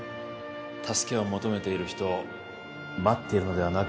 助けを求めている人を待っているのではなく